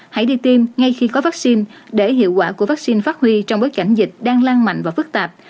hãy đi tiêm ngay khi có vaccine để hiệu quả của vaccine phát huy trong bối cảnh dịch đang lan mạnh và phức tạp